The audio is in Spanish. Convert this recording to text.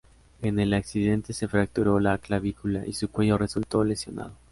En el accidente se fracturó la clavícula y su cuello resultó lesionado.